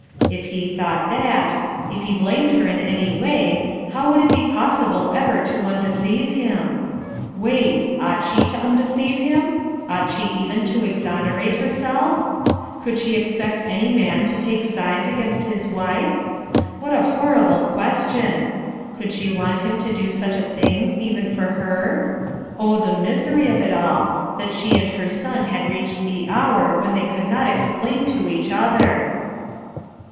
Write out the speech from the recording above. If he thought that, — if he blamed her in any way, how would it be possible ever to undeceive him ? Wait — ought she to undeceive him ? Ought she even to ex onerate herself ? Could she expect any man to take sides against his wife 7 What a horrible question! Could she want him to do such a thing even for her? Oh, the misery of it all! A STRANGE CHANGE 333 That she and her son had reached the hour hen they could not explain to each other